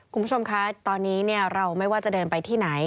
คุณผู้ชมคะตอนนี้เราไม่ว่าจะเดินไปที่ไหน